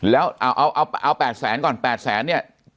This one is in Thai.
แล้วเอา๘แสนก่อน๘แสนเนี่ย